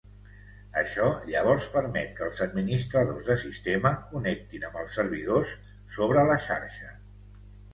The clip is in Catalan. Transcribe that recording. Això llavors permet que els administradors de sistema connectin amb els servidors sobre la xarxa.